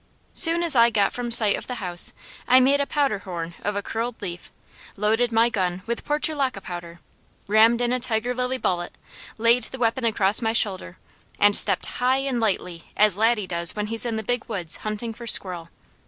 Soon as I got from sight of the house I made a powderhorn of a curled leaf, loaded my gun with portulaca powder, rammed in a tiger lily bullet, laid the weapon across my shoulder, and stepped high and lightly as Laddie does when he's in the Big Woods hunting for squirrel.